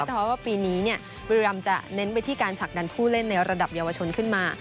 เพราะว่าปีนี้บุรีรำจะเน้นไปที่การผลักดันผู้เล่นในระดับเยาวชนขึ้นมา